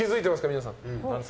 皆さん。